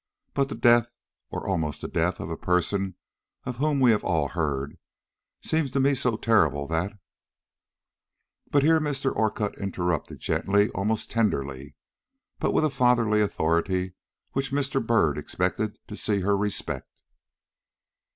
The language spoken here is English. "But the death, or almost the death, of a person of whom we have all heard, seems to me so terrible that " But here Mr. Orcutt interrupted gently, almost tenderly, but with a fatherly authority which Mr. Byrd expected to see her respect.